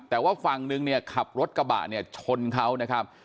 แต่ว่าฝั่งนึงเนี่ยขับรถกระบะเนี่ยชนเขานะครับ